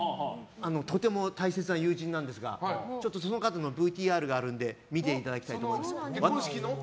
とても大切な友人なんですがその方のＶＴＲがあるので見ていただきたいと思います。